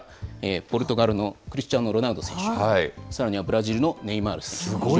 ポルトガルのクリスチアーノ・ロナウド選手、さらにはブラジルのすごい。